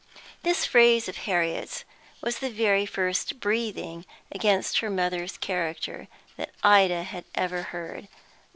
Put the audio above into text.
This phrase of Harriet's was the very first breathing against her mother's character that Ida had ever heard.